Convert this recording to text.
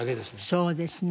そうですね。